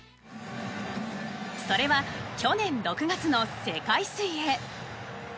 それは去年６月の世界水泳。